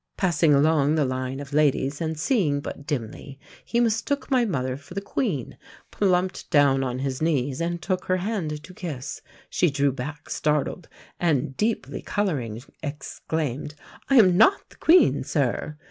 "Passing along the line of ladies, and seeing but dimly, he mistook my mother for the Queen, plumped down on his knees and took her hand to kiss. She drew back startled, and deeply colouring, exclaimed, 'I am not the Queen, sir.'